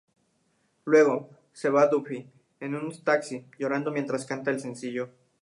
Luego, se ve a Duffy, en un taxi, llorando mientras canta el sencillo.